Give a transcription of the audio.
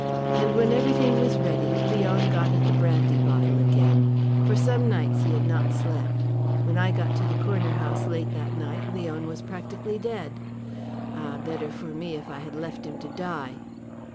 And when everything was ready Leon got at the brandy bottle again. For some nights he had not slept. When I got to the Corner House late that night Leon was practically dead. Ah, better for me if I had left him to die."